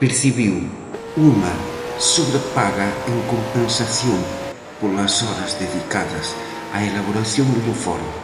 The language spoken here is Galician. Percibiu unha sobrepaga en compensación polas horas dedicadas á elaboración do informe.